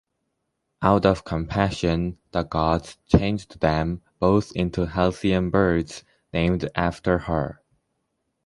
Out of compassion, the gods changed them both into halcyon birds, named after her.